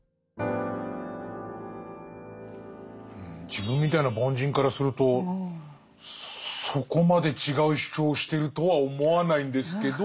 自分みたいな凡人からするとそこまで違う主張をしてるとは思わないんですけど。